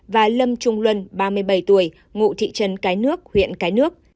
và lâm trung luân ngụ thị trấn cái nước huyện cái nước